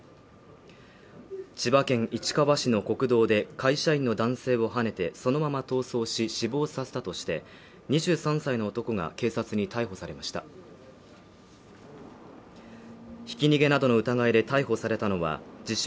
千葉県市川市の国道で会社員の男性をはねてそのまま逃走し死亡させたとして２３歳の男が警察に逮捕されましたひき逃げなどの疑いで逮捕されたのは自称